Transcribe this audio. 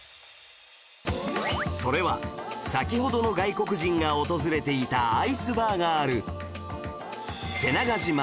それは先ほどの外国人が訪れていたアイスバーがある